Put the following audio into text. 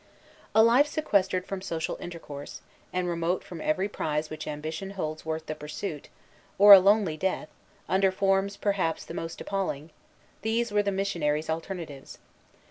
A life sequestered from social intercourse, and remote from every prize which ambition holds worth the pursuit, or a lonely death, under forms, perhaps, the most appalling, these were the missionaries' alternatives.